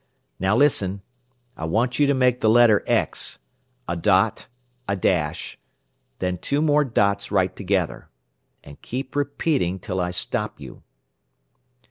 "Now listen. I want you to make the letter X a dot, a dash, then two more dots right together. And keep repeating till I stop you."